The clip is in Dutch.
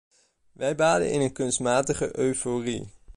Wij baden in een kunstmatige euforie.